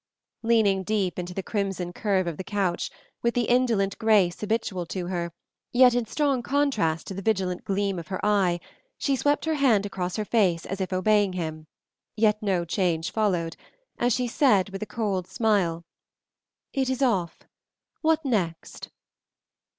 Leaning deep into the crimson curve of the couch, with the indolent grace habitual to her, yet in strong contrast to the vigilant gleam of her eye, she swept her hand across her face as if obeying him, yet no change followed, as she said with a cold smile, "It is off; what next?"